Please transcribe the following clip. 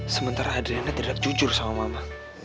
sementara adriana tidak jujur sama mama